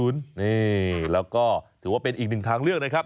นี่แล้วก็ถือว่าเป็นอีกหนึ่งทางเลือกนะครับ